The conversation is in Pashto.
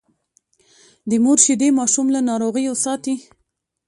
د مور شیدې ماشوم له ناروغیو ساتي۔